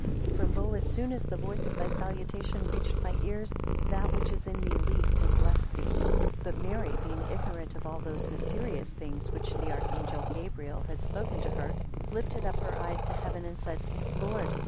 21 For lo! as soon as the voice of thy salutation reached my ears, that which is in me leaped and blessed thee. 22 But Mary, being ignorant of all those mysterious things which the archangel Gabriel had spoken to her, lifted up her eyes to heaven, and said, Lord!